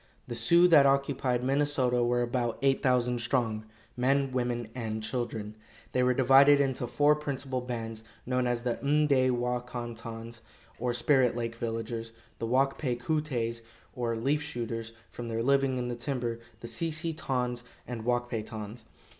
The Sioux that occupied Minnesota were about eight thousand strong, men, women and children. They were divided into four principal bands, known as the M'day wa kon tons, or Spirit Lake Villagers; the Wak pay ku tays, or Leaf Shooters, from their living in the timber; the Si si tons, and Wak pay tons.